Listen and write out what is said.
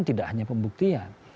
tidak hanya pembuktian